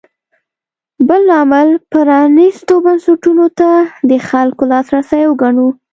بل لامل پرانېستو بنسټونو ته د خلکو لاسرسی وګڼو.